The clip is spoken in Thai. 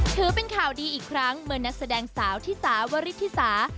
ถือเป็นข่าวดีอีกครั้งเมื่อนักแสดงสาวที่สาวริธิสา